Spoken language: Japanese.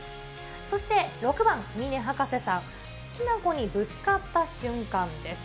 そして６番、峰博士さん、好きな子にぶつかった瞬間です。